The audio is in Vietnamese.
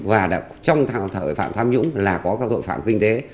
và trong tội phạm tham nhũng là có tội phạm kinh tế